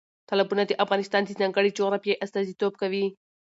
تالابونه د افغانستان د ځانګړې جغرافیې استازیتوب کوي.